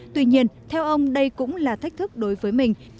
tuy nhiên theo ông đây cũng là thách thức đối với mình